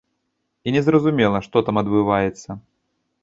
І незразумела, што там адбываецца.